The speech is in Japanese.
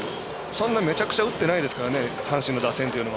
そんなめちゃくちゃ打ってないですからね。